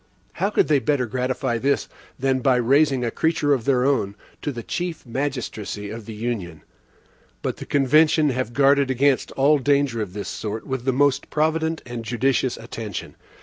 How could they better gratify this, than by raising a creature of their own to the chief magistracy of the Union? But the convention have guarded against all danger of this sort, with the most provident and judicious attention.